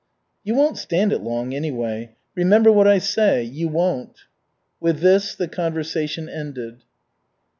"You won't stand it long, anyway. Remember what I say you won't." With this the conversation ended.